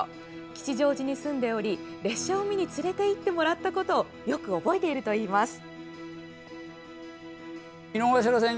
吉祥寺に住んでおり、列車を見に連れていってもらったことをよく覚えているといいます。